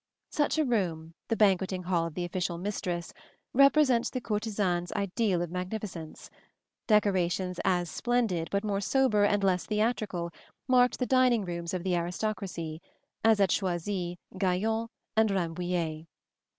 Such a room, the banqueting hall of the official mistress, represents the courtisane's ideal of magnificence: decorations as splendid, but more sober and less theatrical, marked the dining rooms of the aristocracy, as at Choisy, Gaillon and Rambouillet.